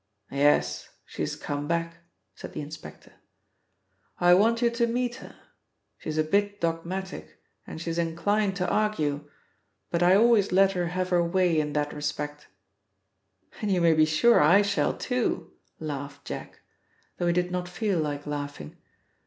"Yes, she's come back," said the inspector. "I want you to meet her. She's a bit dogmatic, and she is inclined to argue, but I always let her have her way in that respect." "And you may be sure I shall, too," laughed Jack, though he did not feel like laughing.